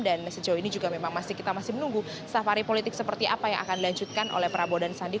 dan sejauh ini juga memang kita masih menunggu safari politik seperti apa yang akan dilanjutkan oleh prabowo dan sandi